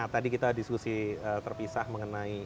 tadi kita diskusi terpisah mengenai